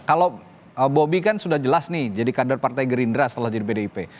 kalau bobi kan sudah jelas nih jadi kader partai gerindra setelah jadi pdip